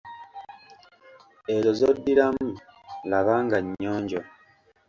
Ezo zoddiramu laba nga nnyonjo.